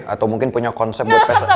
atau mungkin punya konsep